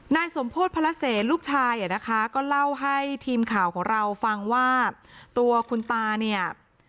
นายสมโพธิพระเศษลูกชายอ่ะนะคะก็เล่าให้ทีมข่าวของเราฟังว่าตัวคุณตาเนี่ย